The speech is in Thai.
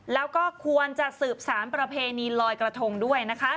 แล้วก็ควรจะสืบสารประเพณีลอยกระทงด้วยนะคะ